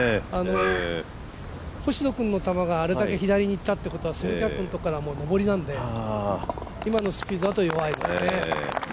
星野君の球があれだけ左にいったということは蝉川君のところからは上りなので今のスピードだと弱いですね。